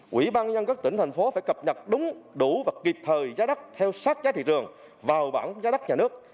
quỹ ban nhân các tỉnh thành phố phải cập nhật đúng đủ và kịp thời giá đắt theo sát giá thị trường vào bảng giá đất nhà nước